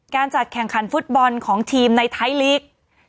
การจัดแข่งขันฟุตบอลของทีมในไทยลีก